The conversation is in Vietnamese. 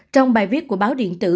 trong bài viết của báo điện tử